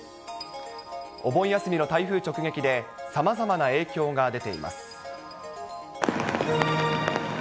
お盆休みの台風直撃で、さまざまな影響が出ています。